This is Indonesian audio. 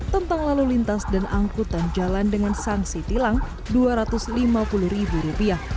tentang lalu lintas dan angkutan jalan dengan sanksi tilang rp dua ratus lima puluh